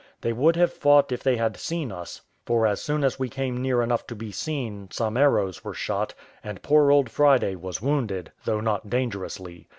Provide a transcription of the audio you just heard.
They would have fought if they had seen us; for as soon as we came near enough to be seen, some arrows were shot, and poor old Friday was wounded, though not dangerously.